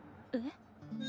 えっ？